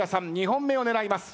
２本目を狙います。